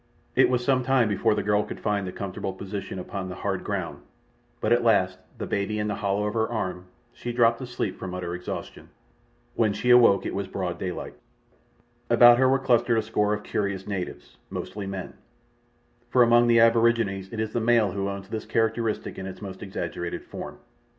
It was some time before the girl could find a comfortable position upon the hard ground, but at last, the baby in the hollow of her arm, she dropped asleep from utter exhaustion. When she awoke it was broad daylight. About her were clustered a score of curious natives—mostly men, for among the aborigines it is the male who owns this characteristic in its most exaggerated form.